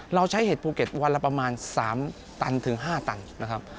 เราใช้เห็ดภูเก็ตวันละประมาณ๓ตันถึง๕ตันนะครับ